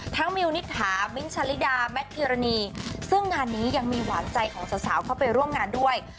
ทั้งมิวนิถามิลชะลิดาแม็ลที่รณีซึ่งงานนี้ยังมีหวานใจของสาวเข้าไปร่วมงานด้วย